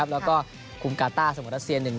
แล้วก็คุมกาต้าเสมอรัสเซีย๑๑